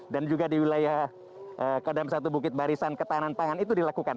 juga di wilayah kodam satu bukit barisan ketahanan pangan itu dilakukan